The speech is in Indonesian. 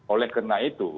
oleh karena itu